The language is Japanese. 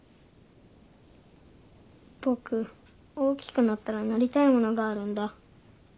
僕大きくなったらなりたいものがあるんだ。